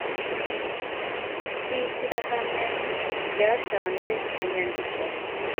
bw ishyirahamwe byatanze inyandiko